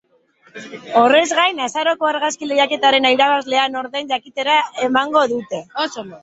Horrez gain, azaroko argazki lehiaketaren irabazlea nor den jakitera emango dute.